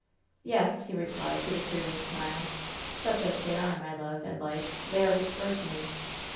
" ^Yes,' he replied, with a curious smile. *Such as they are, my love and life, they are restored to me.